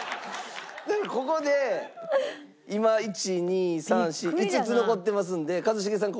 ここで今１２３４５つ残ってますんで一茂さん